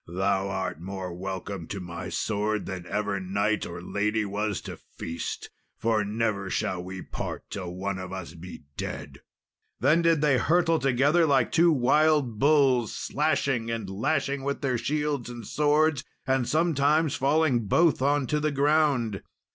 Thou art more welcome to my sword than ever knight or lady was to feast, for never shall we part till one of us be dead." Then did they hurtle together like two wild bulls, slashing and lashing with their shields and swords, and sometimes falling both on to the ground.